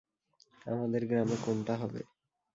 আমাদের গ্রামে কোনটা হবে?